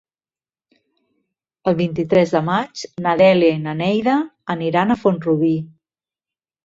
El vint-i-tres de maig na Dèlia i na Neida aniran a Font-rubí.